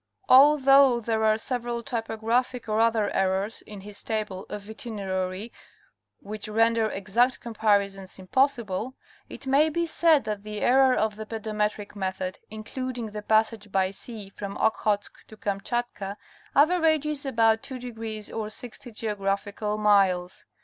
Although there are several typographic or other errors in his table of itinerary which render exact comparisons impossible, it may be said that the error of the pedometric method, including the passage by sea from Okhotsk to Kamchatka, averages about two degrees or sixty geographical miles.